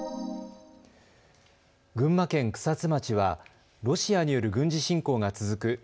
群馬県草津町はロシアによる軍事侵攻が続く